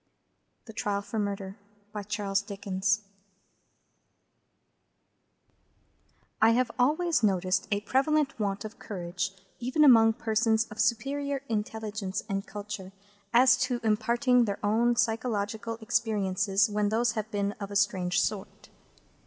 THE TRIAL FOR MURDER. I HAVE always noticed a prevalent want of courage, even among persons of superior intelligence and culture, as to imparting their own psychological experiences when those have been of a strange sort.